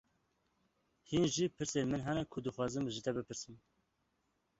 Hîn jî pirsên min hene ku dixwazim ji te bipirsim.